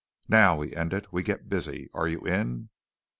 "Now," he ended, "we get busy. Are you in?"